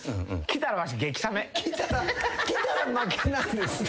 来たら負けなんですね。